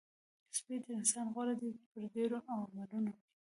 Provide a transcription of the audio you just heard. سپی تر انسان غوره دی په ډېرو عملونو کې.